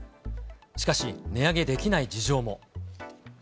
しかし、値上げできない事情も。